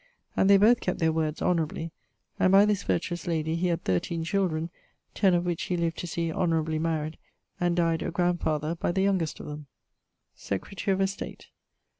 And they both kept their words honourably. And by this virtuous lady he had thirteen children, ten of which he lived to see honourably married, and died a grandfather by the youngest of them. [XXIV.] Secretary of Estate.